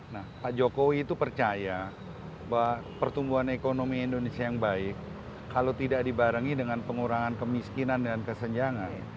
nah pak jokowi itu percaya bahwa pertumbuhan ekonomi indonesia yang baik kalau tidak dibarengi dengan pengurangan kemiskinan dan kesenjangan